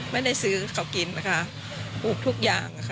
ไม่ได้ซื้อเขากินนะคะปลูกทุกอย่างค่ะ